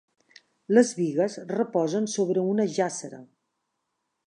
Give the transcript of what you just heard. Les bigues reposen sobre una jàssera.